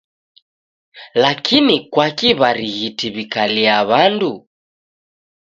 Lakini kwaki w'arighiti w'ikalia w'andu.